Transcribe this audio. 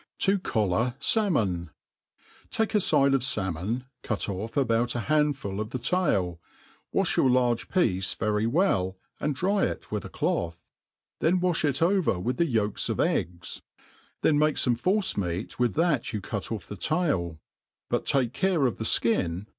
To collar Salmon. I »■> TAKE^a fide of falmon, cut ofF about a handful of the tail* ^afl) your large piece yery well, and dry it with a doth ; theii ^^(h.it over vi^ith the' yolks of eggs ; then make fomc force meat with that you cut off the tall, but take care of the ikin